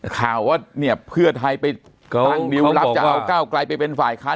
ข่าวว่าเนี่ยเพื่อไทยไปตั้งนิ้วรับจะเอาก้าวไกลไปเป็นฝ่ายค้าน